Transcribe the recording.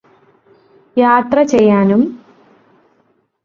യാത്ര ചെയ്യാനും